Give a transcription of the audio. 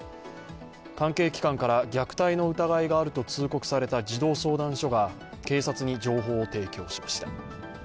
関係機関から虐待の疑いがあると通告された児童相談所が、警察に情報を提供しました。